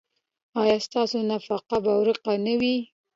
ایا ستاسو نفاق به ورک نه وي؟